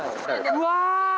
うわ。